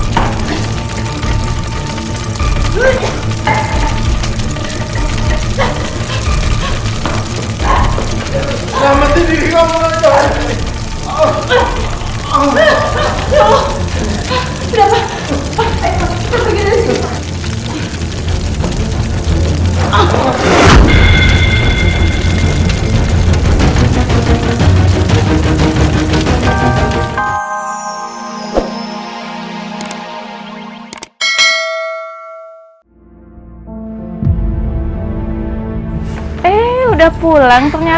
sampai jumpa di video selanjutnya